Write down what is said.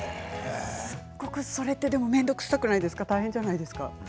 でもそれって面倒くさくないですか大変じゃないですか。